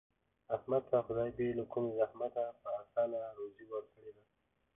احمد ته خدای بې له کوم زحمته په اسانه روزي ورکړې ده.